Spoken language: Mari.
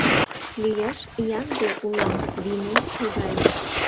— Лӱяш ямде улам, — вийнен шогале.